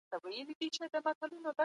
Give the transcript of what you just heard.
د علمي کتابونو ژبه بايد ساده او روانه وي.